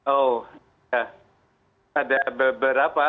oh ada beberapa